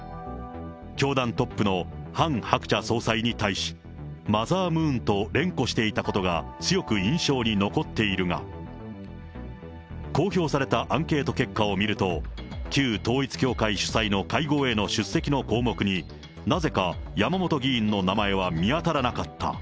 教団トップのハン・ハクチャ総裁に対し、マザームーンと連呼していたことが、強く印象に残っているが、公表されたアンケート結果を見ると、旧統一教会主催の会合への出席の項目に、なぜか山本議員の名前は見当たらなかった。